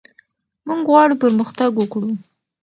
موږ غواړو پرمختګ وکړو.